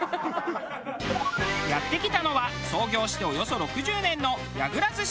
やって来たのは創業しておよそ６０年の。